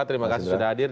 terima kasih sudah hadir